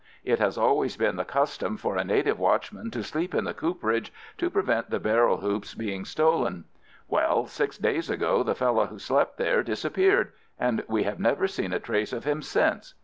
It has always been the custom for a native watchman to sleep in the cooperage, to prevent the barrel hoops being stolen. Well, six days ago the fellow who slept there disappeared, and we have never seen a trace of him since.